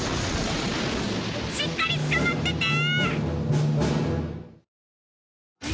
しっかりつかまってて！